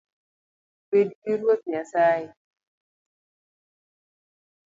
Bedgi Ruoth Nyasaye